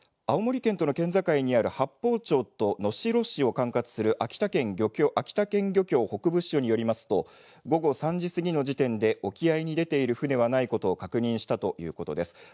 青森県との県境にある八峰町と能代市を管轄する秋田県漁協北部支所によりますと、午後３時過ぎの時点で沖合に出ている船はないことを確認したということです。